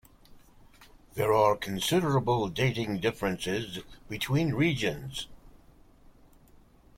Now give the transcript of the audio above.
There are considerable dating differences between regions.